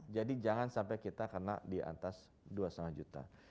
jadi jangan sampai kita kena di atas dua lima juta